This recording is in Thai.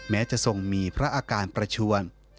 แม้จะทรงมีพระอาการประชวน